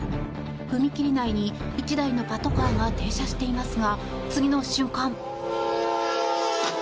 踏切内に１台のパトカーが停車していますが、次の瞬間。